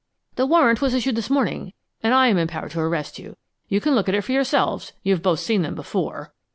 "The warrant was issued this morning, and I am empowered to arrest you. You can look at it for yourselves; you've both seen them before."